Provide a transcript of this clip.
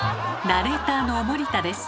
ナレーターの森田です。